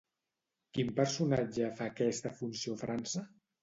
Quin personatge fa aquesta funció a França?